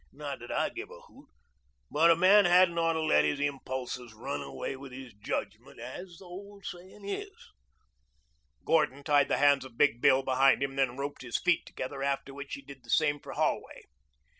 Not that I give a hoot, but a man hadn't ought to let his impulses run away with his judgment, as the old sayin' is." Gordon tied the hands of Big Bill behind him, then roped his feet together, after which he did the same for Holway.